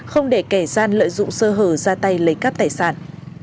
không để kẻ gian lợi dụng sơ hở ra tay lấy cắp tài sản